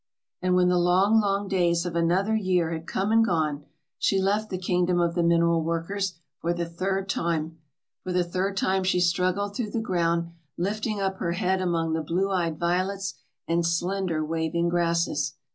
And when the long, long days of another year had come and gone, she left the kingdom of the mineral workers for the third time. For the third time she struggled through the ground, lifting up her head among the blue eyed violets and slender waving grasses.